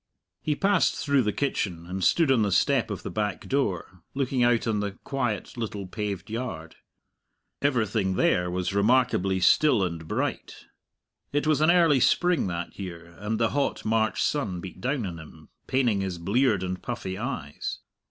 He passed through the kitchen, and stood on the step of the back door, looking out on the quiet little paved yard. Everything there was remarkably still and bright. It was an early spring that year, and the hot March sun beat down on him, paining his bleared and puffy eyes.